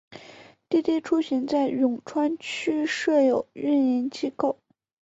滴滴出行在永川区设有运营机构。